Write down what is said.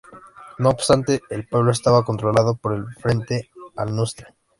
No obstante, el pueblo estaba controlado por el Frente al-Nusra.